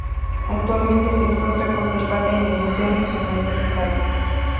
Actualmente se encuentra conservada en el Museo Nacional del Prado.